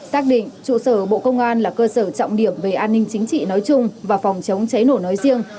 xác định trụ sở bộ công an là cơ sở trọng điểm về an ninh chính trị nói chung và phòng chống cháy nổ nói riêng